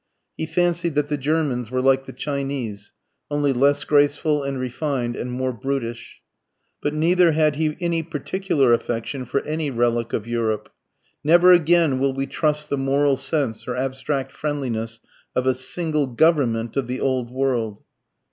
He fancied that the Germans were like the Chinese, only less graceful and refined and more brutish. But neither had he any particular affection for any relic of Europe. "Never again will we trust the moral sense or abstract friendliness of a single Government of the Old World."